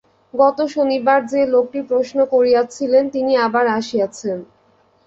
গত শনিবার যে-লোকটি প্রশ্ন করিয়াছিলেন তিনি আবার আসিয়াছেন।